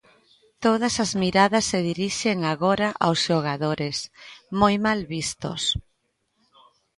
Todas as miradas se dirixen agora aos xogadores, moi mal vistos.